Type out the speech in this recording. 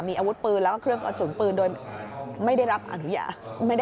มีอาวุธปืนแล้วก็เครื่องกระสุนปืนโดยไม่ได้รับอนุญาต